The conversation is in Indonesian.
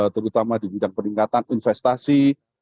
terutama di bidang peningkatan investasi